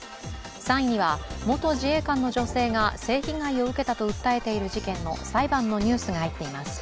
３位は元自衛官の女性が性被害を受けたと訴えている事件の裁判のニュースが入っています。